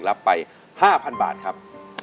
รับไป๕๐๐๐บาทครับ